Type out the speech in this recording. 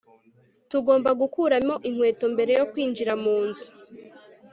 tugomba gukuramo inkweto mbere yo kwinjira munzu